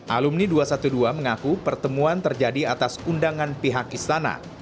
alumni dua ratus dua belas mengaku pertemuan terjadi atas undangan pihak istana